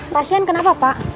pasien kenapa pak